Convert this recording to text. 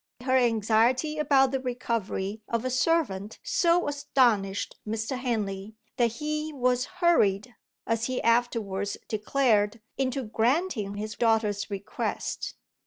Her anxiety about the recovery of a servant so astonished Mr. Henley, that he was hurried (as he afterwards declared) into granting his daughter's request.